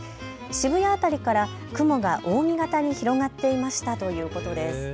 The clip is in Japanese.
渋谷辺りから雲が扇形に広がっていましたということです。